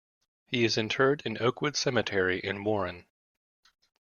He is interred in Oakwood Cemetery in Warren.